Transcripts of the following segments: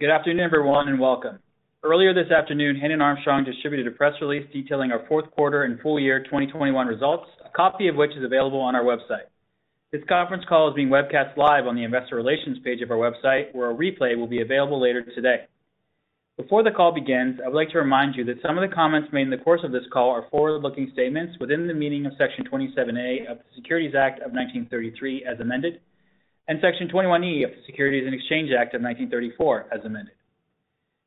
Good afternoon, everyone, and welcome. Earlier this afternoon, Hannon Armstrong distributed a press release detailing our Q4 and full year 2021 results, a copy of which is available on our website. This conference call is being webcast live on the Investor Relations page of our website, where a replay will be available later today. Before the call begins, I would like to remind you that some of the comments made in the course of this call are forward-looking statements within the meaning of Section 27A of the Securities Act of 1933, as amended, and Section 21E of the Securities Exchange Act of 1934, as amended.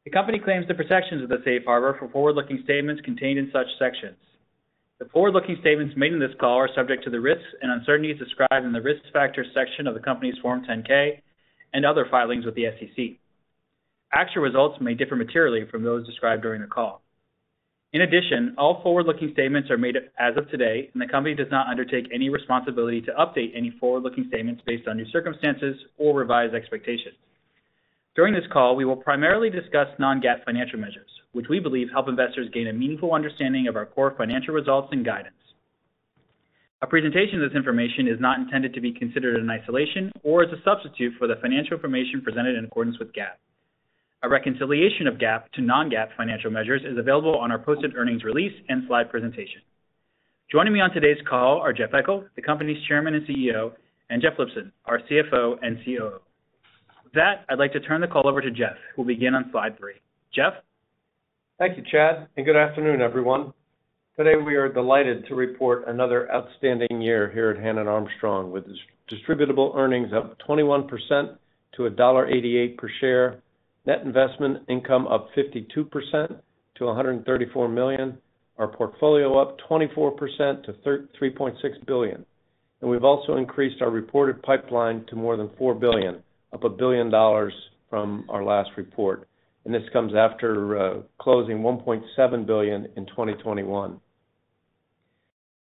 The company claims the protections of the safe harbor for forward-looking statements contained in such sections. The forward-looking statements made in this call are subject to the risks and uncertainties described in the Risk Factors section of the company's Form 10-K and other filings with the SEC. Actual results may differ materially from those described during the call. In addition, all forward-looking statements are made as of today, and the company does not undertake any responsibility to update any forward-looking statements based on new circumstances or revised expectations. During this call, we will primarily discuss non-GAAP financial measures, which we believe help investors gain a meaningful understanding of our core financial results and guidance. A presentation of this information is not intended to be considered in isolation or as a substitute for the financial information presented in accordance with GAAP. A reconciliation of GAAP to non-GAAP financial measures is available on our posted earnings release and slide presentation. Joining me on today's call are Jeff Eckel, the company's Chairman and CEO, and Jeff Lipson, our CFO and COO. With that, I'd like to turn the call over to Jeff, who will begin on slide three. Jeff? Thank you, Chad, and good afternoon, everyone. Today, we are delighted to report another outstanding year here at Hannon Armstrong, with distributable earnings up 21% to $1.88 per share, net investment income up 52% to $134 million, our portfolio up 24% to $3.6 billion. We've also increased our reported pipeline to more than $4 billion, up $1 billion from our last report. This comes after closing $1.7 billion in 2021.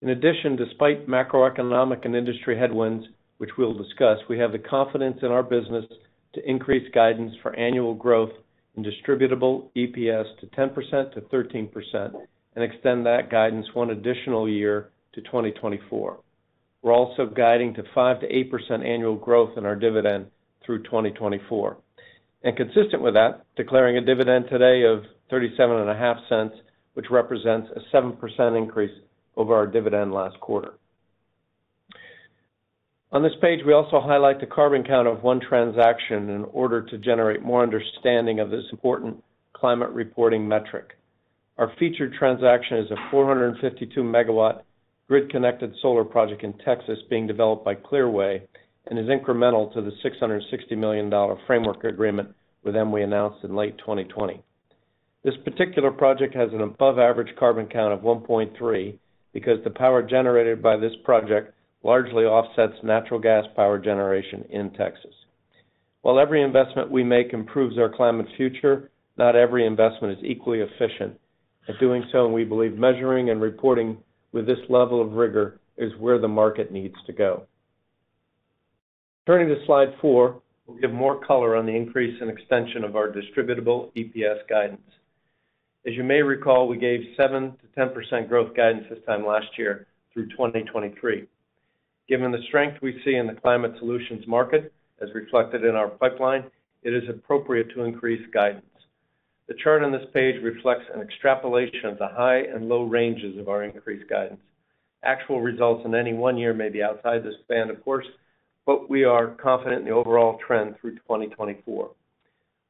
In addition, despite macroeconomic and industry headwinds, which we'll discuss, we have the confidence in our business to increase guidance for annual growth and distributable EPS to 10%-13% and extend that guidance one additional year to 2024. We're also guiding to 5%-8% annual growth in our dividend through 2024. Consistent with that, declaring a dividend today of $0.375, which represents a 7% increase over our dividend last quarter. On this page, we also highlight the CarbonCount of one transaction in order to generate more understanding of this important climate reporting metric. Our featured transaction is a 452-MW grid-connected solar project in Texas being developed by Clearway and is incremental to the $660 million framework agreement with them we announced in late 2020. This particular project has an above average CarbonCount of 1.3 because the power generated by this project largely offsets natural gas power generation in Texas. While every investment we make improves our climate future, not every investment is equally efficient. In doing so, we believe measuring and reporting with this level of rigor is where the market needs to go. Turning to slide four, we'll give more color on the increase and extension of our distributable EPS guidance. As you may recall, we gave 7%-10% growth guidance this time last year through 2023. Given the strength we see in the climate solutions market, as reflected in our pipeline, it is appropriate to increase guidance. The chart on this page reflects an extrapolation of the high and low ranges of our increased guidance. Actual results in any one year may be outside this band, of course, but we are confident in the overall trend through 2024.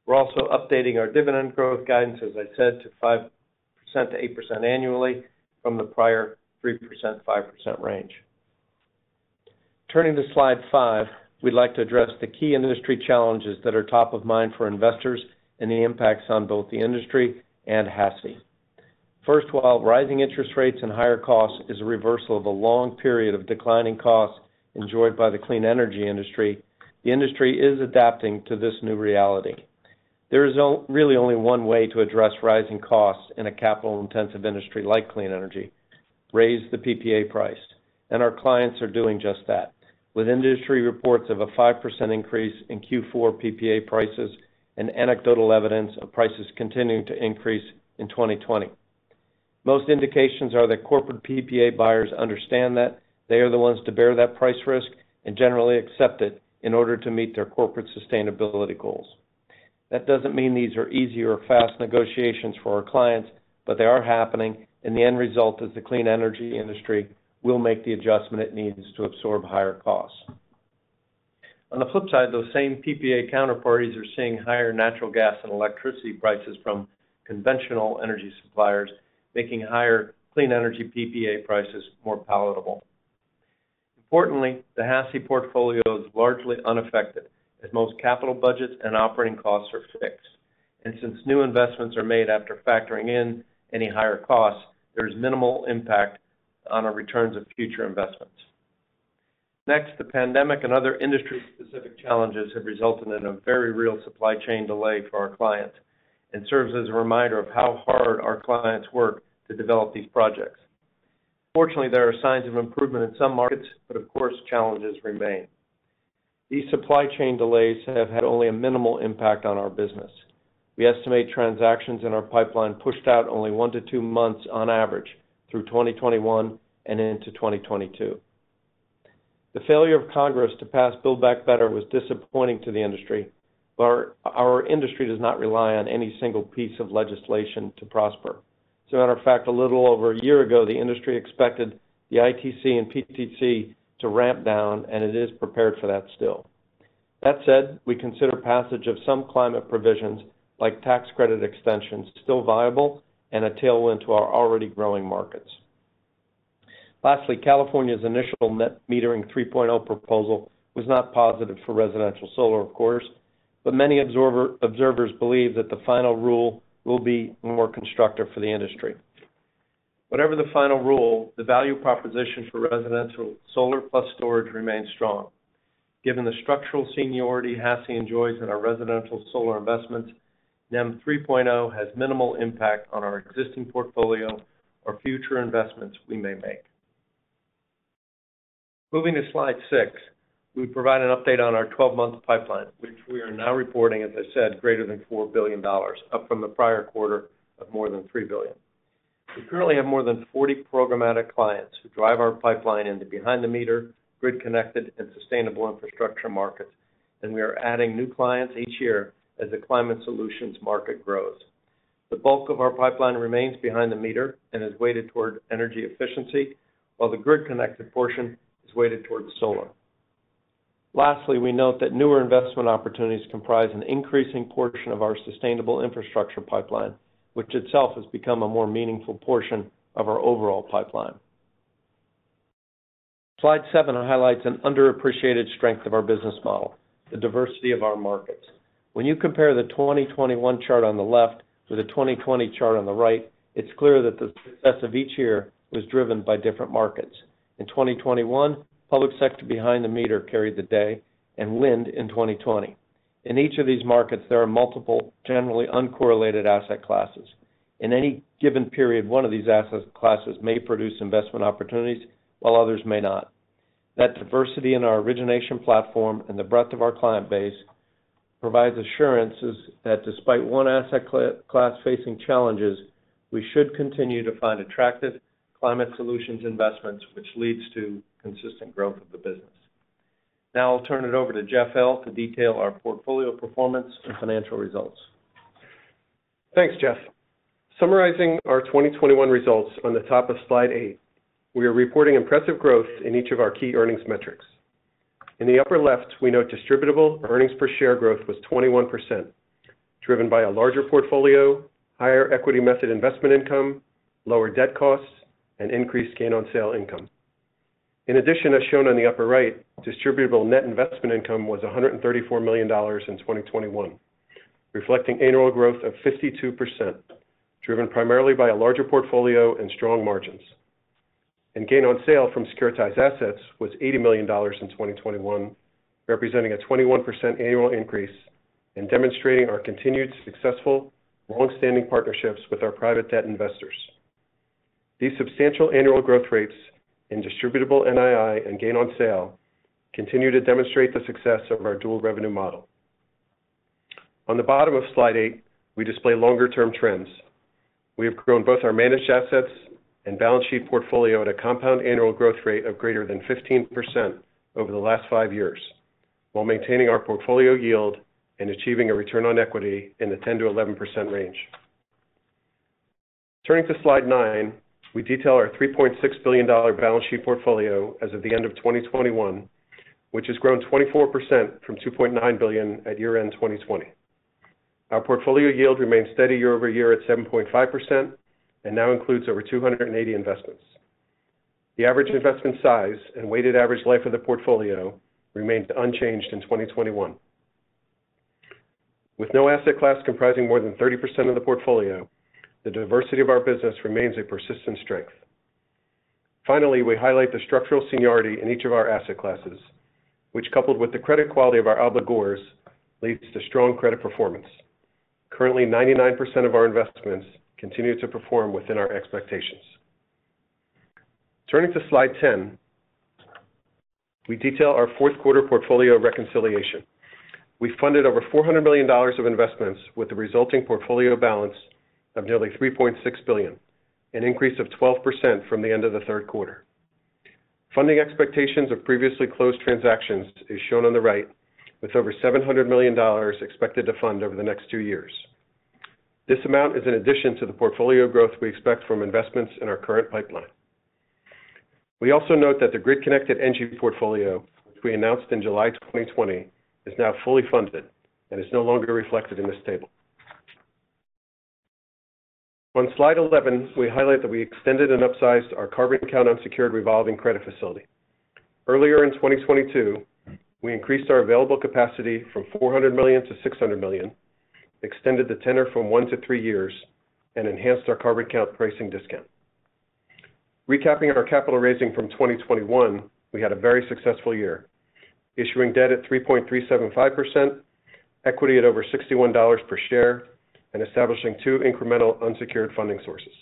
We're also updating our dividend growth guidance, as I said, to 5%-8% annually from the prior 3%-5% range. Turning to slide five, we'd like to address the key industry challenges that are top of mind for investors and the impacts on both the industry and HASI. First, while rising interest rates and higher costs is a reversal of a long period of declining costs enjoyed by the clean energy industry, the industry is adapting to this new reality. There is really only one way to address rising costs in a capital-intensive industry like clean energy, raise the PPA price, and our clients are doing just that. With industry reports of a 5% increase in Q4 PPA prices and anecdotal evidence of prices continuing to increase in 2020. Most indications are that corporate PPA buyers understand that they are the ones to bear that price risk and generally accept it in order to meet their corporate sustainability goals. That doesn't mean these are easy or fast negotiations for our clients, but they are happening, and the end result is the clean energy industry will make the adjustment it needs to absorb higher costs. On the flip side, those same PPA counterparties are seeing higher natural gas and electricity prices from conventional energy suppliers, making higher clean energy PPA prices more palatable. Importantly, the HASI portfolio is largely unaffected, as most capital budgets and operating costs are fixed. Since new investments are made after factoring in any higher costs, there is minimal impact on our returns of future investments. Next, the pandemic and other industry-specific challenges have resulted in a very real supply chain delay for our clients and serves as a reminder of how hard our clients work to develop these projects. Fortunately, there are signs of improvement in some markets, but of course, challenges remain. These supply chain delays have had only a minimal impact on our business. We estimate transactions in our pipeline pushed out only one to two months on average through 2021 and into 2022. The failure of Congress to pass Build Back Better was disappointing to the industry, but our industry does not rely on any single piece of legislation to prosper. As a matter of fact, a little over a year ago, the industry expected the ITC and PTC to ramp down, and it is prepared for that still. That said, we consider passage of some climate provisions like tax credit extensions still viable and a tailwind to our already growing markets. Lastly, California's initial Net Metering 3.0 proposal was not positive for residential solar, of course, but many observers believe that the final rule will be more constructive for the industry. Whatever the final rule, the value proposition for residential solar plus storage remains strong. Given the structural seniority HASI enjoys in our residential solar investments, NEM 3.0 has minimal impact on our existing portfolio or future investments we may make. Moving to slide six, we provide an update on our 12-month pipeline, which we are now reporting, as I said, greater than $4 billion, up from the prior quarter of more than $3 billion. We currently have more than 40 programmatic clients who drive our pipeline in the behind the meter, grid-connected, and sustainable infrastructure markets, and we are adding new clients each year as the climate solutions market grows. The bulk of our pipeline remains behind the meter and is weighted toward energy efficiency, while the grid-connected portion is weighted towards solar. Lastly, we note that newer investment opportunities comprise an increasing portion of our sustainable infrastructure pipeline, which itself has become a more meaningful portion of our overall pipeline. Slide seven highlights an underappreciated strength of our business model, the diversity of our markets. When you compare the 2021 chart on the left to the 2020 chart on the right, it's clear that the success of each year was driven by different markets. In 2021, public sector behind the meter carried the day and wind in 2020. In each of these markets, there are multiple, generally uncorrelated asset classes. In any given period, one of these assets' classes may produce investment opportunities while others may not. That diversity in our origination platform and the breadth of our client base provides assurances that despite one asset class facing challenges, we should continue to find attractive climate solutions investments, which leads to consistent growth of the business. Now I'll turn it over to Jeff Lipson to detail our portfolio performance and financial results. Thanks, Jeff. Summarizing our 2021 results on the top of slide eight, we are reporting impressive growth in each of our key earnings metrics. In the upper left, we note distributable earnings per share growth was 21%, driven by a larger portfolio, higher equity method investment income, lower debt costs, and increased gain on sale income. In addition, as shown on the upper right, distributable net investment income was $134 million in 2021, reflecting annual growth of 52%, driven primarily by a larger portfolio and strong margins. Gain on sale from securitized assets was $80 million in 2021, representing a 21% annual increase and demonstrating our continued successful long-standing partnerships with our private debt investors. These substantial annual growth rates in distributable NII and gain on sale continue to demonstrate the success of our dual revenue model. On the bottom of slide eight, we display longer-term trends. We have grown both our managed assets and balance sheet portfolio at a compound annual growth rate of greater than 15% over the last five years while maintaining our portfolio yield and achieving a return on equity in the 10%-11% range. Turning to slide nine, we detail our $3.6 billion balance sheet portfolio as of the end of 2021, which has grown 24% from $2.9 billion at year-end 2020. Our portfolio yield remains steady year over year at 7.5% and now includes over 280 investments. The average investment size and weighted average life of the portfolio remained unchanged in 2021. With no asset class comprising more than 30% of the portfolio, the diversity of our business remains a persistent strength. Finally, we highlight the structural seniority in each of our asset classes, which, coupled with the credit quality of our obligors, leads to strong credit performance. Currently, 99% of our investments continue to perform within our expectations. Turning to slide 10, we detail our Q4 portfolio reconciliation. We funded over $400 million of investments with the resulting portfolio balance of nearly $3.6 billion, an increase of 12% from the end of the Q3. Funding expectations of previously closed transactions is shown on the right, with over $700 million expected to fund over the next two years. This amount is in addition to the portfolio growth we expect from investments in our current pipeline. We also note that the grid-connected NG portfolio, which we announced in July 2020, is now fully funded and is no longer reflected in this table. On slide 11, we highlight that we extended and upsized our Carbon Count unsecured revolving credit facility. Earlier in 2022, we increased our available capacity from $400 million-$600 million, extended the tenor from one to three years, and enhanced our Carbon Count pricing discount. Recapping our capital raising from 2021, we had a very successful year, issuing debt at 3.375%, equity at over $61 per share, and establishing two incremental unsecured funding sources.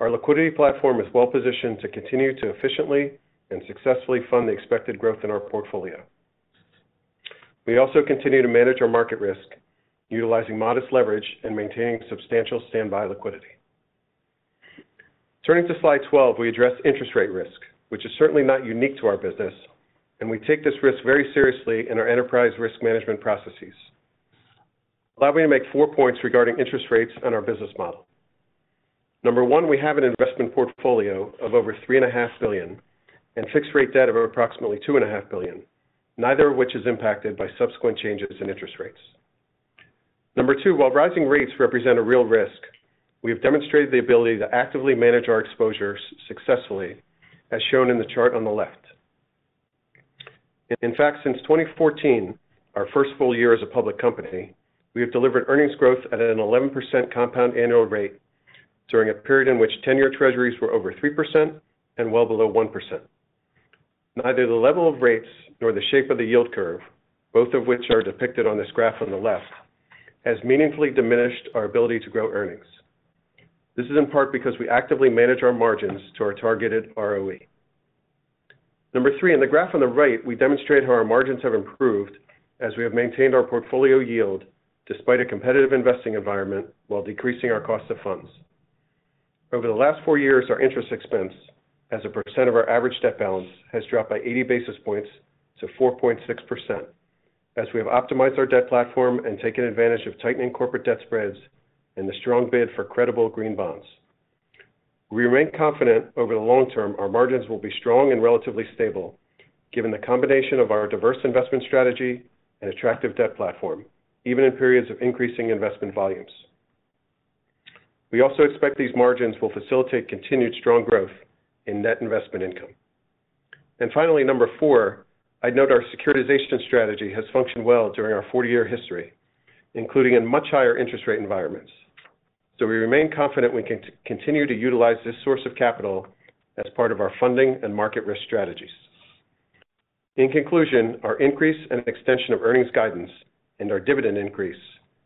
Our liquidity platform is well positioned to continue to efficiently and successfully fund the expected growth in our portfolio. We also continue to manage our market risk utilizing modest leverage and maintaining substantial standby liquidity. Turning to slide 12, we address interest rate risk, which is certainly not unique to our business, and we take this risk very seriously in our enterprise risk management processes. Allow me to make four points regarding interest rates on our business model. Number one, we have an investment portfolio of over $3.5 billion and fixed rate debt of approximately $2.5 billion, neither of which is impacted by subsequent changes in interest rates. Number two, while rising rates represent a real risk, we have demonstrated the ability to actively manage our exposure successfully, as shown in the chart on the left. In fact, since 2014, our first full year as a public company, we have delivered earnings growth at an 11% compound annual rate during a period in which 10-year treasuries were over 3% and well below 1%. Neither the level of rates nor the shape of the yield curve, both of which are depicted on this graph on the left, has meaningfully diminished our ability to grow earnings. This is in part because we actively manage our margins to our targeted ROE. Number three, in the graph on the right, we demonstrate how our margins have improved as we have maintained our portfolio yield despite a competitive investing environment while decreasing our cost of funds. Over the last four years, our interest expense as a % of our average debt balance has dropped by 80 basis points to 4.6% as we have optimized our debt platform and taken advantage of tightening corporate debt spreads and the strong bid for credible green bonds. We remain confident over the long term our margins will be strong and relatively stable given the combination of our diverse investment strategy and attractive debt platform, even in periods of increasing investment volumes. We also expect these margins will facilitate continued strong growth in net investment income. Finally, number four, I'd note our securitization strategy has functioned well during our 40-year history, including in much higher interest rate environments. We remain confident we can continue to utilize this source of capital as part of our funding and market risk strategies. In conclusion, our increase and extension of earnings guidance and our dividend increase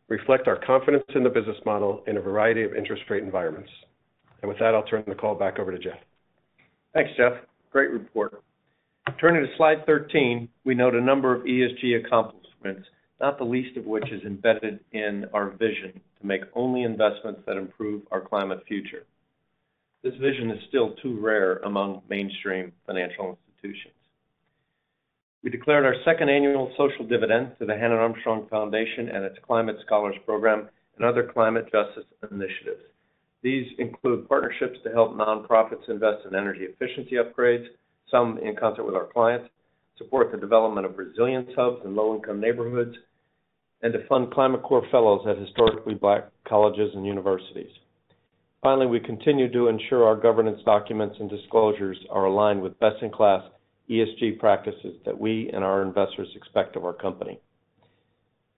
reflect our confidence in the business model in a variety of interest rate environments. With that, I'll turn the call back over to Jeff. Thanks, Jeff. Great report. Turning to slide 13, we note a number of ESG accomplishments, not the least of which is embedded in our vision to make only investments that improve our climate future. This vision is still too rare among mainstream financial institutions. We declared our second annual social dividend to the Hannon Armstrong Foundation and its Climate Solutions Scholarship Program and other climate justice initiatives. These include partnerships to help nonprofits invest in energy efficiency upgrades, some in concert with our clients, support the development of resilience hubs in low-income neighborhoods, and to fund Climate Corps fellows at historically Black colleges and universities. Finally, we continue to ensure our governance documents and disclosures are aligned with best-in-class ESG practices that we and our investors expect of our company.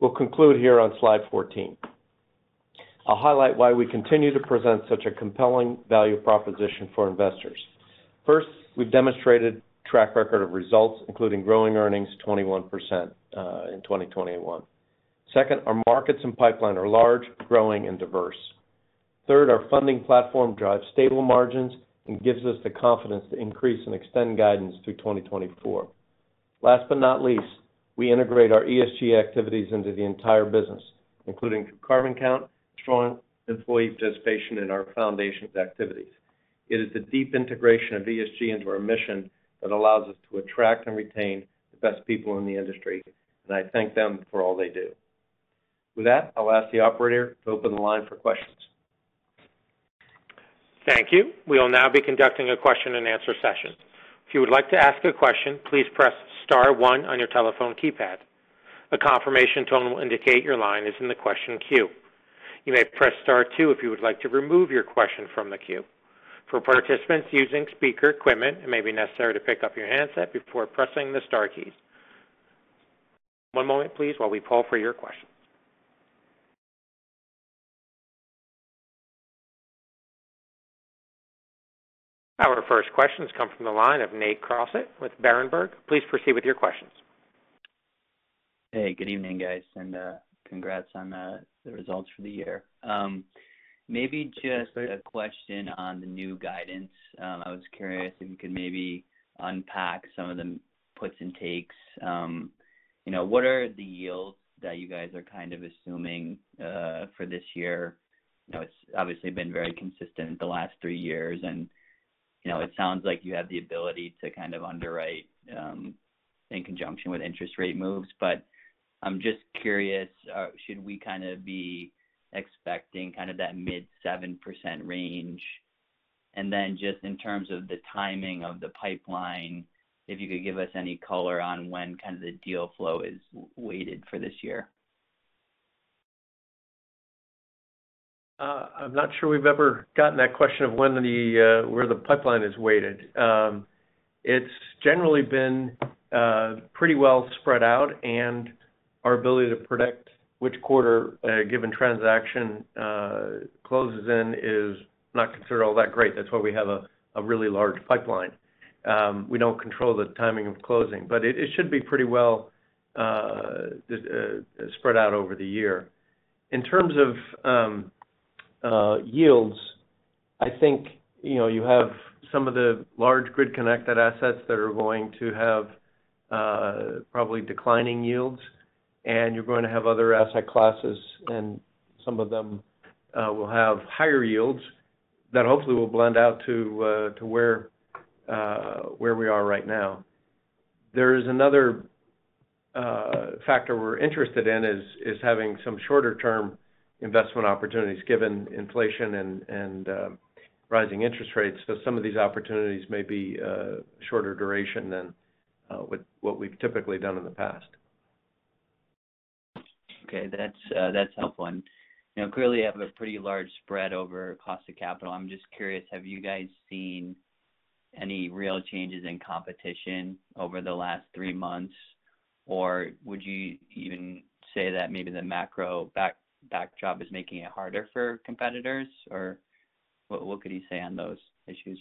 We'll conclude here on slide 14. I'll highlight why we continue to present such a compelling value proposition for investors. First, we've demonstrated track record of results, including growing earnings 21% in 2021. Second, our markets and pipeline are large, growing, and diverse. Third, our funding platform drives stable margins and gives us the confidence to increase and extend guidance through 2024. Last but not least, we integrate our ESG activities into the entire business, including CarbonCount, strong employee participation in our foundation's activities. It is the deep integration of ESG into our mission that allows us to attract and retain the best people in the industry. I thank them for all they do. With that, I'll ask the operator to open the line for questions. Thank you. We will now be conducting a question and answer session. If you would like to ask a question, please press star one on your telephone keypad. A confirmation tone will indicate your line is in the question queue. You may press star two if you would like to remove your question from the queue. For participants using speaker equipment, it may be necessary to pick up your handset before pressing the star keys. One moment please while we poll for your questions. Our first questions come from the line of Nate Crossett with Berenberg. Please proceed with your questions. Hey, good evening, guys, and congrats on the results for the year. Maybe just a question on the new guidance. I was curious if you could maybe unpack some of the puts and takes. You know, what are the yields that you guys are kind of assuming for this year? You know, it's obviously been very consistent the last three years and, you know, it sounds like you have the ability to kind of underwrite in conjunction with interest rate moves. But I'm just curious, should we kinda be expecting kind of that mid-7% range? And then just in terms of the timing of the pipeline, if you could give us any color on when kind of the deal flow is weighted for this year. I'm not sure we've ever gotten that question of where the pipeline is weighted. It's generally been pretty well spread out, and our ability to predict which quarter a given transaction closes in is not considered all that great. That's why we have a really large pipeline. We don't control the timing of closing. It should be pretty well spread out over the year. In terms of yields, I think, you know, you have some of the large grid-connected assets that are going to have probably declining yields, and you're going to have other asset classes, and some of them will have higher yields that hopefully will blend out to where we are right now. There is another factor we're interested in, is having some shorter term investment opportunities given inflation and rising interest rates. Some of these opportunities may be shorter duration than what we've typically done in the past. Okay. That's helpful. Clearly you have a pretty large spread over cost of capital. I'm just curious, have you guys seen any real changes in competition over the last three months? Or would you even say that maybe the macro backdrop is making it harder for competitors? Or what could you say on those issues?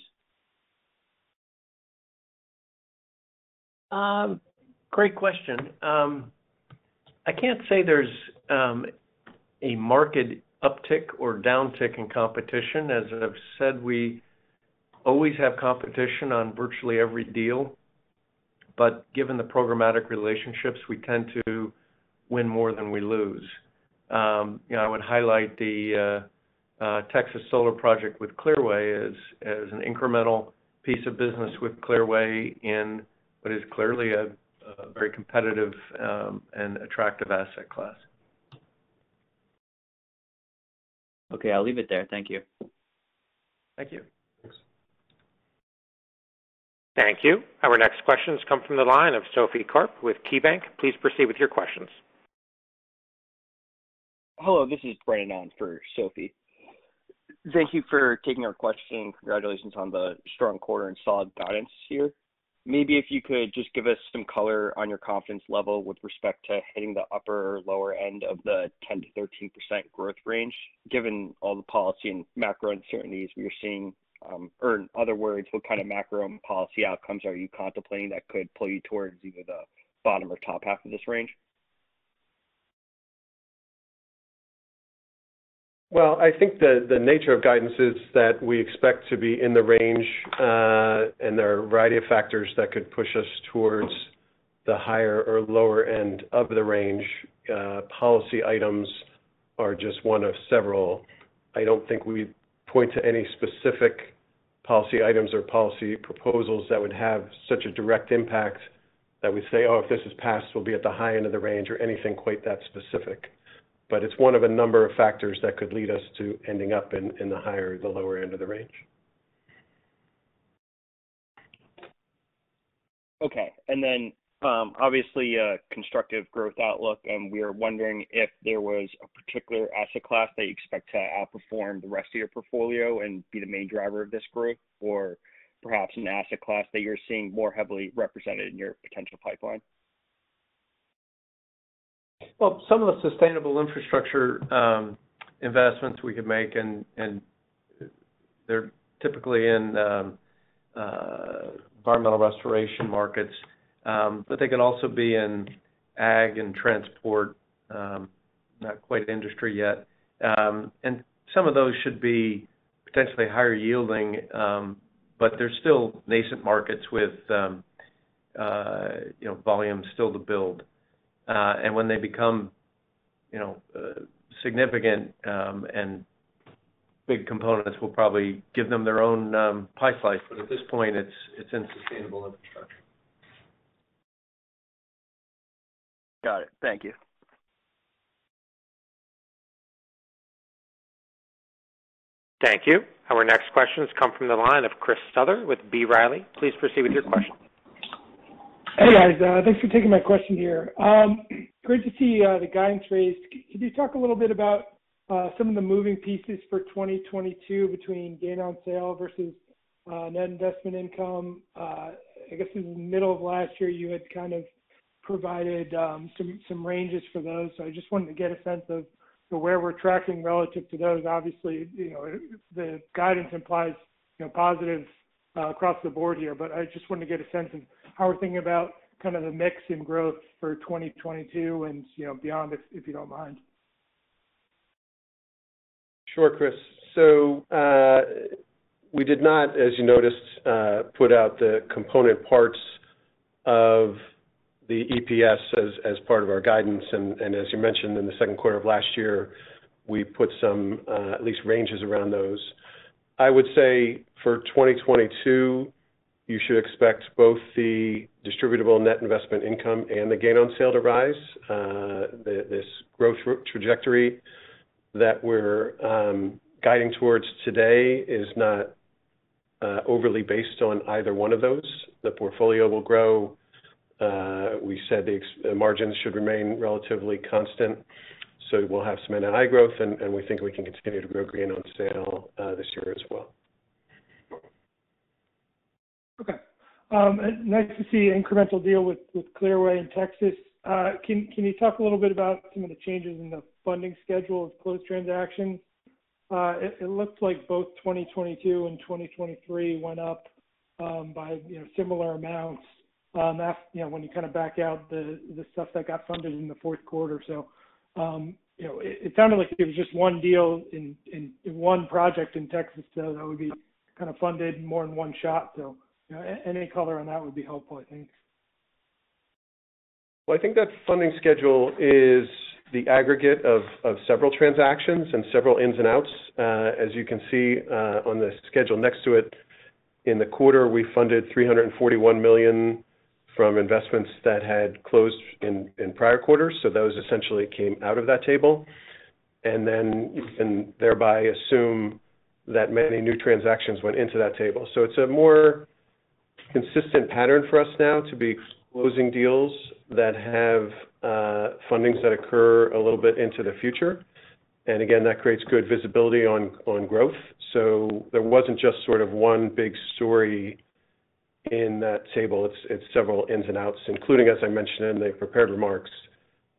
Great question. I can't say there's a market uptick or downtick in competition. As I've said, we always have competition on virtually every deal. Given the programmatic relationships, we tend to win more than we lose. You know, I would highlight the Texas solar project with Clearway as an incremental piece of business with Clearway in what is clearly a very competitive and attractive asset class. Okay, I'll leave it there. Thank you. Thank you. Thanks. Thank you. Our next question comes from the line of Sophie Karp with KeyBanc. Please proceed with your questions. Hello, this is Brandon on for Sophie. Thank you for taking our question. Congratulations on the strong quarter and solid guidance here. Maybe if you could just give us some color on your confidence level with respect to hitting the upper or lower end of the 10%-13% growth range, given all the policy and macro uncertainties we are seeing. Or in other words, what kind of macro and policy outcomes are you contemplating that could pull you towards either the bottom or top half of this range? Well, I think the nature of guidance is that we expect to be in the range, and there are a variety of factors that could push us towards the higher or lower end of the range. Policy items are just one of several. I don't think we point to any specific policy items or policy proposals that would have such a direct impact that we say, "Oh, if this is passed, we'll be at the high end of the range," or anything quite that specific. It's one of a number of factors that could lead us to ending up in the higher or the lower end of the range. Okay. Obviously a constructive growth outlook, and we are wondering if there was a particular asset class that you expect to outperform the rest of your portfolio and be the main driver of this growth, or perhaps an asset class that you're seeing more heavily represented in your potential pipeline. Well, some of the sustainable infrastructure investments we could make, and they're typically in environmental restoration markets. They could also be in ag and transport, not quite industry yet. Some of those should be potentially higher yielding, but they're still nascent markets with you know, volume still to build. When they become you know, significant and big components, we'll probably give them their own pie slice. At this point, it's in sustainable infrastructure. Got it. Thank you. Thank you. Our next question comes from the line of Chris Souther with B. Riley. Please proceed with your question. Hey, guys, thanks for taking my question here. Great to see the guidance raised. Could you talk a little bit about some of the moving pieces for 2022 between gain on sale versus net investment income? I guess in the middle of last year, you had kind of provided some ranges for those. I just wanted to get a sense of where we're tracking relative to those. Obviously, you know, the guidance implies, you know, positives across the board here, but I just wanted to get a sense of how we're thinking about kind of the mix in growth for 2022 and, you know, beyond, if you don't mind. Sure, Chris. We did not, as you noticed, put out the component parts of the EPS as part of our guidance. As you mentioned in the Q2 of last year, we put some at least ranges around those. I would say for 2022, you should expect both the distributable net investment income and the gain on sale to rise. This growth trajectory that we're guiding towards today is not overly based on either one of those. The portfolio will grow. We said the margins should remain relatively constant, so we'll have some NI growth, and we think we can continue to grow gain on sale this year as well. Okay. Nice to see incremental deal with Clearway in Texas. Can you talk a little bit about some of the changes in the funding schedule of closed transactions? It looks like both 2022 and 2023 went up. By, you know, similar amounts, you know, when you kind of back out the stuff that got funded in the Q4. You know, it sounded like it was just one deal in one project in Texas that would be kind of funded more in one shot. You know, any color on that would be helpful, I think. Well, I think that funding schedule is the aggregate of several transactions and several ins and outs. As you can see, on the schedule next to it, in the quarter, we funded $341 million from investments that had closed in prior quarters, so those essentially came out of that table. You can thereby assume that many new transactions went into that table. It's a more consistent pattern for us now to be closing deals that have fundings that occur a little bit into the future. That creates good visibility on growth. There wasn't just sort of one big story in that table. It's several ins and outs, including, as I mentioned in the prepared remarks,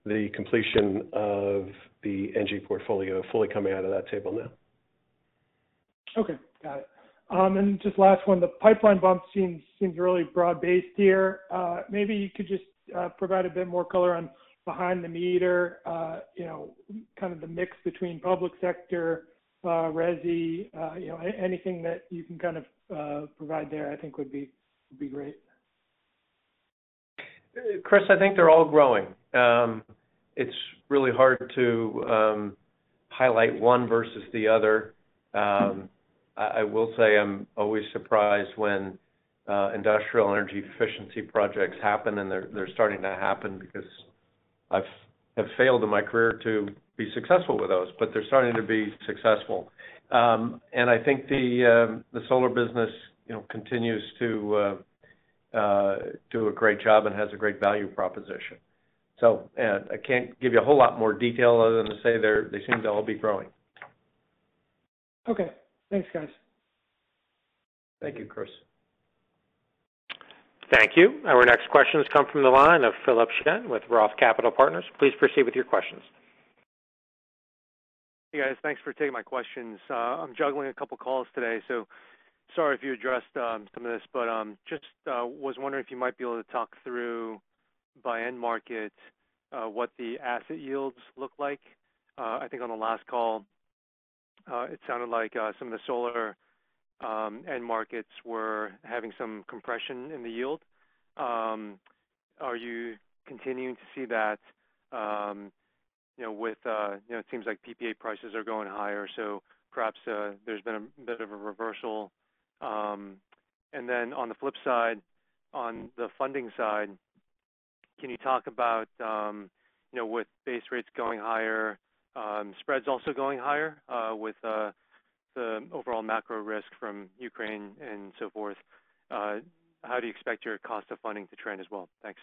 the completion of the ENGIE portfolio fully coming out of that table now. Okay, got it. Just last one, the pipeline bump seems really broad-based here. Maybe you could just provide a bit more color on behind the meter, you know, kind of the mix between public sector, resi, you know, anything that you can kind of provide there, I think would be great. Chris, I think they're all growing. It's really hard to highlight one versus the other. I will say I'm always surprised when industrial energy efficiency projects happen, and they're starting to happen because I've failed in my career to be successful with those, but they're starting to be successful. I think the solar business, you know, continues to do a great job and has a great value proposition. I can't give you a whole lot more detail other than to say they seem to all be growing. Okay. Thanks, guys. Thank you, Chris. Thank you. Our next questions come from the line of Philip Shen with ROTH Capital Partners. Please proceed with your questions. Hey, guys. Thanks for taking my questions. I'm juggling a couple of calls today, so sorry if you addressed some of this. Just was wondering if you might be able to talk through by end market what the asset yields look like. I think on the last call it sounded like some of the solar end markets were having some compression in the yield. Are you continuing to see that, you know, with, you know, it seems like PPA prices are going higher, so perhaps there's been a bit of a reversal. On the flip side, on the funding side, can you talk about, you know, with base rates going higher, spreads also going higher, with the overall macro risk from Ukraine and so forth, how do you expect your cost of funding to trend as well? Thanks.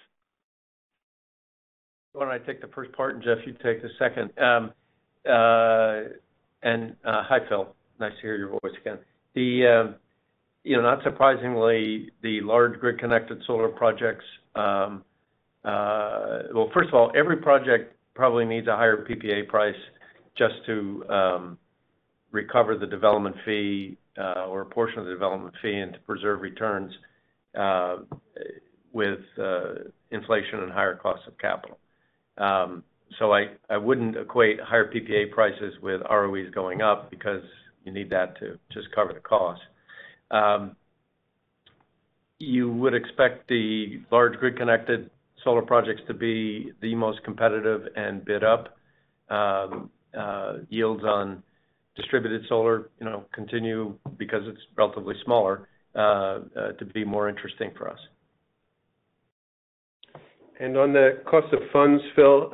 Why don't I take the first part, and Jeff Eckel, you take the second. Hi, Philip Shen. Nice to hear your voice again. You know, not surprisingly, the large grid-connected solar projects. Well, first of all, every project probably needs a higher PPA price just to recover the development fee or a portion of the development fee and to preserve returns with inflation and higher costs of capital. I wouldn't equate higher PPA prices with ROEs going up because you need that to just cover the cost. You would expect the large grid-connected solar projects to be the most competitive and bid up. Yields on distributed solar, you know, continue because it's relatively smaller to be more interesting for us. On the cost of funds, Phil,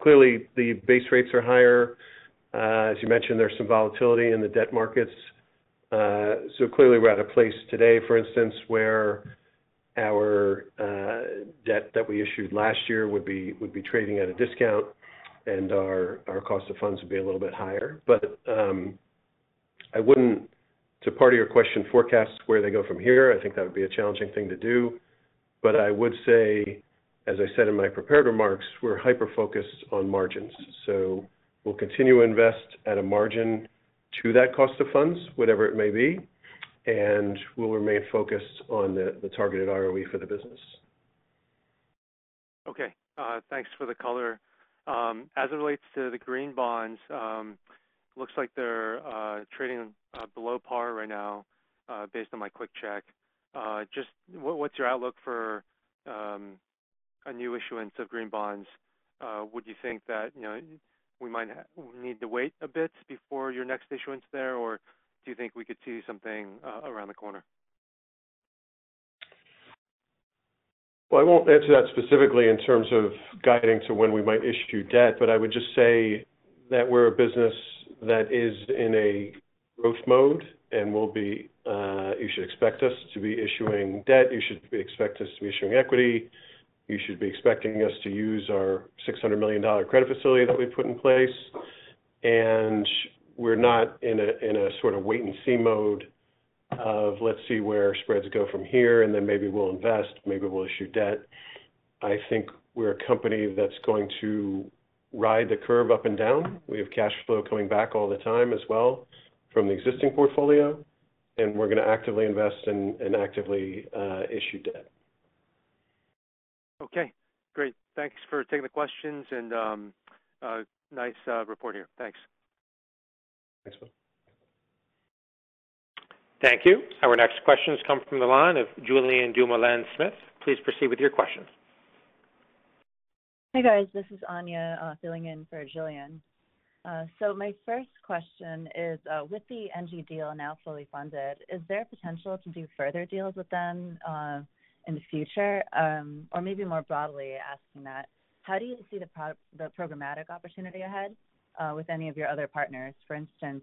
clearly the base rates are higher. As you mentioned, there's some volatility in the debt markets. Clearly, we're at a place today, for instance, where our debt that we issued last year would be trading at a discount, and our cost of funds would be a little bit higher. I wouldn't, to part of your question, forecast where they go from here. I think that would be a challenging thing to do. I would say, as I said in my prepared remarks, we're hyper-focused on margins. We'll continue to invest at a margin to that cost of funds, whatever it may be, and we'll remain focused on the targeted ROE for the business. Okay, thanks for the color. As it relates to the green bonds, looks like they're trading below par right now, based on my quick check. Just what's your outlook for a new issuance of green bonds? Would you think that, you know, we need to wait a bit before your next issuance there, or do you think we could see something around the corner? Well, I won't answer that specifically in terms of guiding to when we might issue debt, but I would just say that we're a business that is in a growth mode and will be. You should expect us to be issuing debt. You should expect us to be issuing equity. You should be expecting us to use our $600 million credit facility that we've put in place. We're not in a sort of wait and see mode of, let's see where spreads go from here, and then maybe we'll invest, maybe we'll issue debt. I think we're a company that's going to ride the curve up and down. We have cash flow coming back all the time as well from the existing portfolio, and we're going to actively invest and actively issue debt. Okay, great. Thanks for taking the questions and a nice report here. Thanks. Thanks, Philip Shen. Thank you. Our next question comes from the line of Julien Dumoulin-Smith. Please proceed with your questions. Hi, guys. This is Anya filling in for Julien. So, my first question is, with the ENGIE deal now fully funded, is there potential to do further deals with them in the future? Or maybe more broadly asking that, how do you see the programmatic opportunity ahead with any of your other partners? For instance,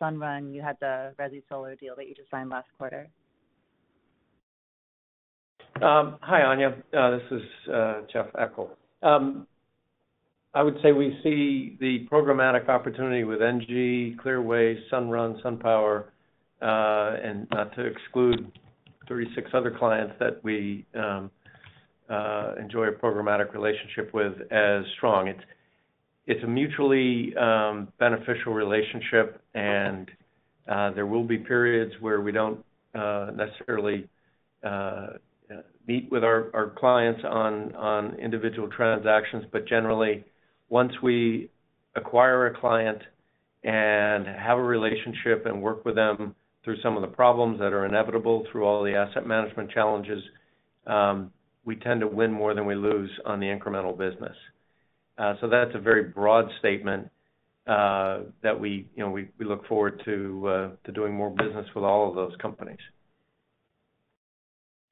Sunrun, you had the resi-solar deal that you just signed last quarter. Hi, Anya. This is Jeff Eckel. I would say we see the programmatic opportunity with ENGIE, Clearway, Sunrun, SunPower, and not to exclude 36 other clients that we enjoy a programmatic relationship with as strong. It's a mutually beneficial relationship and there will be periods where we don't necessarily meet with our clients on individual transactions. Generally, once we acquire a client and have a relationship and work with them through some of the problems that are inevitable through all the asset management challenges, we tend to win more than we lose on the incremental business. That's a very broad statement that we, you know, we look forward to doing more business with all of those companies.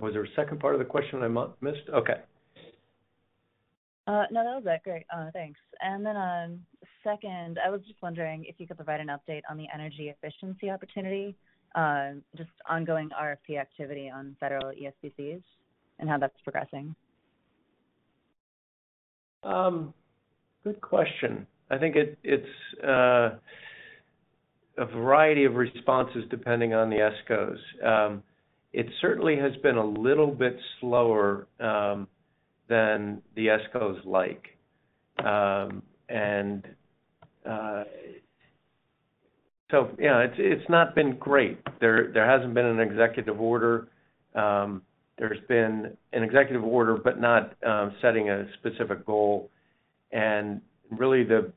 Was there a second part of the question I missed? Okay. Second, I was just wondering if you could provide an update on the energy efficiency opportunity, just ongoing RFP activity on federal ESPCs and how that's progressing. Good question. I think it's a variety of responses depending on the ESCOs. It certainly has been a little bit slower than the ESCOs like. Yeah, it's not been great. There hasn't been an executive order. There's been an executive order, but not setting a specific goal. Really the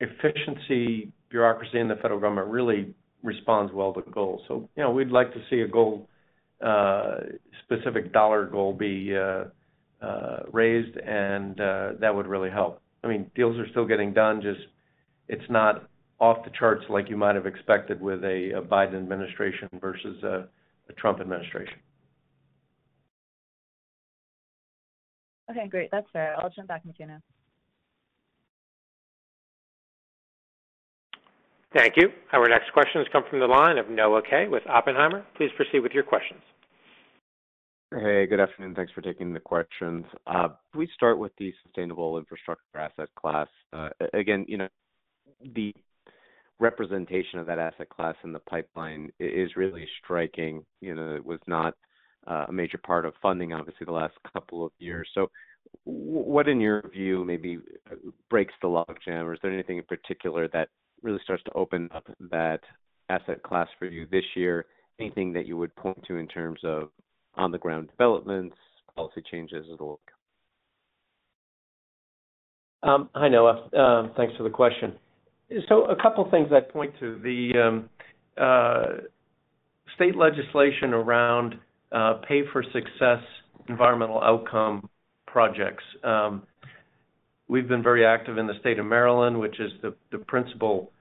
efficiency bureaucracy in the federal government really responds well to goals. You know, we'd like to see a goal, specific dollar goal be raised and that would really help. I mean, deals are still getting done, just it's not off the charts like you might have expected with a Biden administration versus a Trump administration. Okay, great. That's fair. I'll turn back to you now. Thank you. Our next question has come from the line of Noah Kaye with Oppenheimer. Please proceed with your questions. Hey, good afternoon. Thanks for taking the questions. Can we start with the sustainable infrastructure asset class? Again, you know, the representation of that asset class in the pipeline is really striking. You know, it was not a major part of funding, obviously, the last couple of years. What in your view maybe breaks the logjam? Or is there anything in particular that really starts to open up that asset class for you this year? Anything that you would point to in terms of on-the-ground developments, policy changes, it'll. Hi, Noah. Thanks for the question. A couple things I'd point to. The state legislation around pay for success environmental outcome projects. We've been very active in the state of Maryland, which is the principal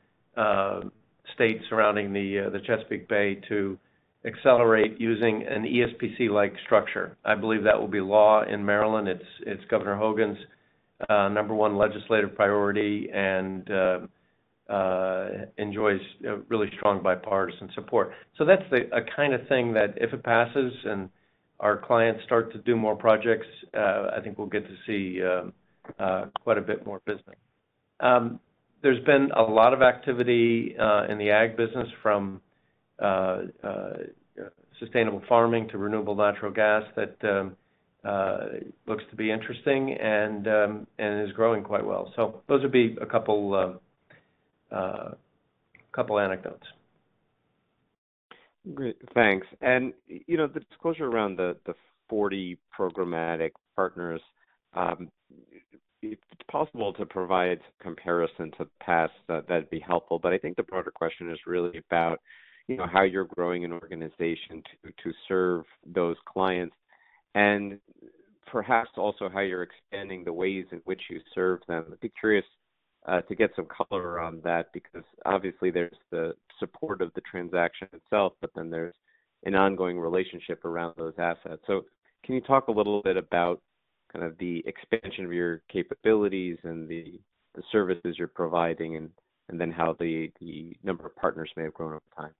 state surrounding the Chesapeake Bay, to accelerate using an ESPC-like structure. I believe that will be law in Maryland. It's Governor Hogan's number one legislative priority and enjoys really strong bipartisan support. That's a kind of thing that if it passes and our clients start to do more projects, I think we'll get to see quite a bit more business. There's been a lot of activity in the ag business from sustainable farming to renewable natural gas that looks to be interesting and is growing quite well. Those would be a couple anecdotes. Great. Thanks. You know, the disclosure around the 40 programmatic partners, if it's possible to provide comparison to the past, that'd be helpful. I think the broader question is really about, you know, how you're growing an organization to serve those clients and perhaps also how you're expanding the ways in which you serve them. I'd be curious to get some color on that because obviously there's the support of the transaction itself, but then there's an ongoing relationship around those assets. Can you talk a little bit about kind of the expansion of your capabilities and the services you're providing and then how the number of partners may have grown over time?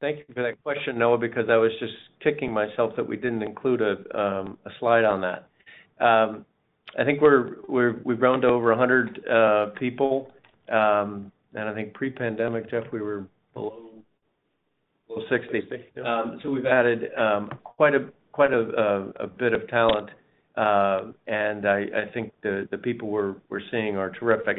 Thank you for that question, Noah, because I was just kicking myself that we didn't include a slide on that. I think we've grown to over 100 people. I think pre-pandemic, Jeff, we were below 60. Sixty. We've added quite a bit of talent. I think the people we're seeing are terrific.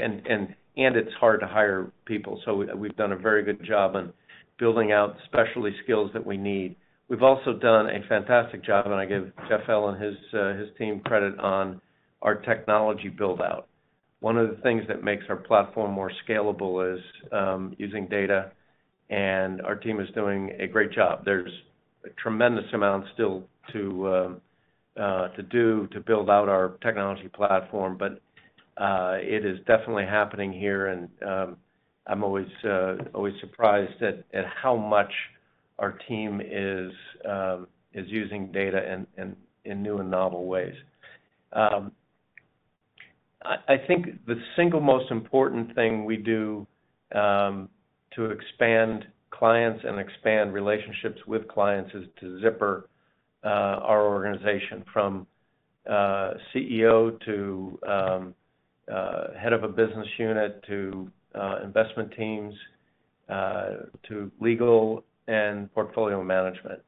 It's hard to hire people, so we've done a very good job on building out specialty skills that we need. We've also done a fantastic job, and I give Jeff Lipson and his team credit on our technology build-out. One of the things that makes our platform more scalable is using data, and our team is doing a great job. There's a tremendous amount still to do to build out our technology platform. It is definitely happening here, and I'm always surprised at how much our team is using data in new and novel ways. I think the single most important thing we do to expand clients and expand relationships with clients is to zipper our organization from CEO to head of a business unit to investment teams to legal and portfolio management.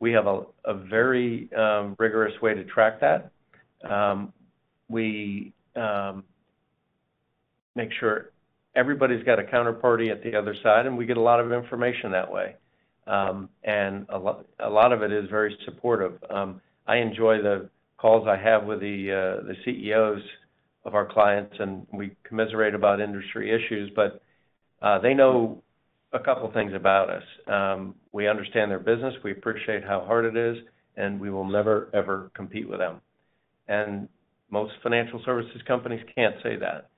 We have a very rigorous way to track that. We make sure everybody's got a counterparty at the other side, and we get a lot of information that way. A lot of it is very supportive. I enjoy the calls I have with the CEOs of our clients, and we commiserate about industry issues. They know a couple things about us. We understand their business, we appreciate how hard it is, and we will never, ever compete with them. Most financial services companies can't say that.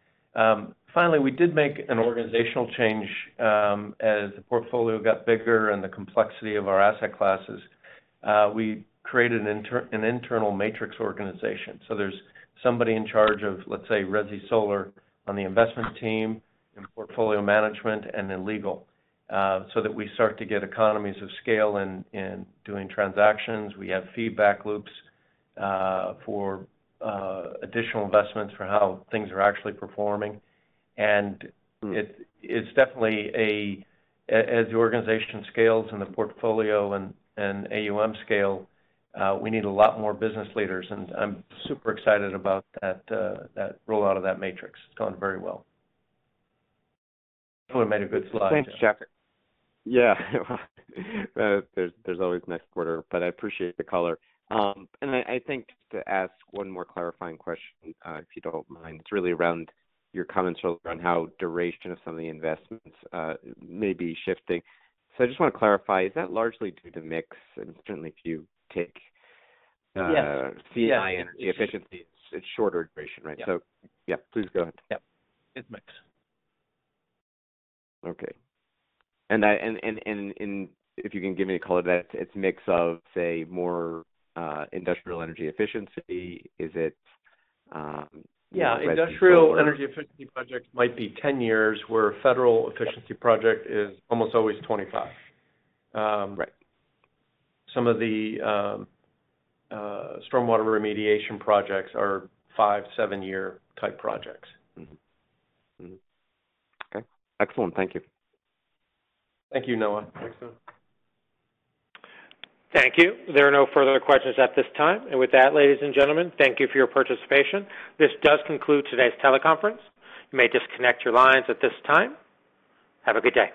Finally, we did make an organizational change as the portfolio got bigger and the complexity of our asset classes. We created an internal matrix organization. There's somebody in charge of, let's say, resi solar on the investment team, in portfolio management, and in legal so that we start to get economies of scale in doing transactions. We have feedback loops for additional investments for how things are actually performing. It Mm. It's definitely as the organization scales and the portfolio and AUM scale, we need a lot more business leaders, and I'm super excited about that rollout of that matrix. It's going very well. I made a good slide. Thanks, Jeff. Yeah. There's always next quarter, but I appreciate the color. And I think to ask one more clarifying question, if you don't mind. It's really around your comments around how duration of some of the investments may be shifting. So I just wanna clarify, is that largely due to mix? And certainly if you take, Yes. C&I energy efficiency, it's shorter duration, right? Yeah. Yeah, please go ahead. Yeah. It's mix. Okay. If you can give me a color that it's mix of, say, more industrial energy efficiency. Is it? Yeah. resi solar? Industrial energy efficiency projects might be 10 years, where a federal efficiency project is almost always 25. Right. Some of the stormwater remediation projects are five-seven-year type projects. Mm-hmm. Okay. Excellent. Thank you. Thank you, Noah. Thanks, Noah. Thank you. There are no further questions at this time. With that, ladies and gentlemen, thank you for your participation. This does conclude today's teleconference. You may disconnect your lines at this time. Have a good day.